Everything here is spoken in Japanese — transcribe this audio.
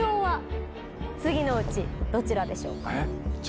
次のうちどちらでしょうか？